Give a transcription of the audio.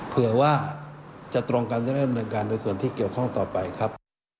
เผื่อว่าจะตรงกันจะได้ดำเนินการในส่วนที่เกี่ยวข้องต่อไปครับ